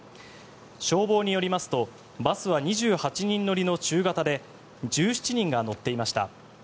消防によりますとバスは２８人乗りの中型で１７人が乗っていました。